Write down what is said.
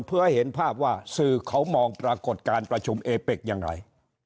เพื่อให้เห็นภาพว่าสื่อเขามองปรากฏการประชุมเอเป็กยังไง